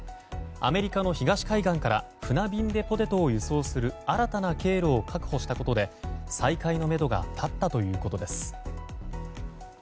アメリカの東海岸から船便でポテトを輸送する新たな経路を確保したことで再開のめどが立ったということです。